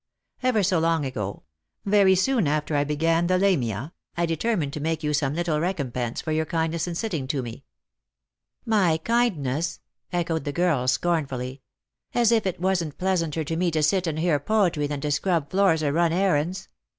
Ever so long ago, very soon after I began the ' Lamia,' I determined to make you some little recompense for your kindness in sitting to me." " My kindness !" echoed the girl scornfully. " As if it wasn't pleasanter to me to sit and hear poetry than to scrub floors or run errands."